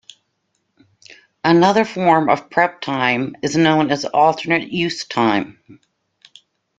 Another form of prep time is known as alternate-use time.